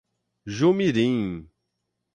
Jumirim